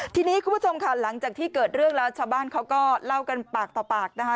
ทีนี้คุณผู้ชมค่ะหลังจากที่เกิดเรื่องแล้วชาวบ้านเขาก็เล่ากันปากต่อปากนะคะ